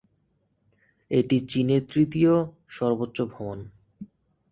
এটি চীনের তিতীয় সর্বোচ্চ ভবন।